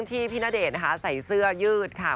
นากวิดให้นายหยายมาเวลา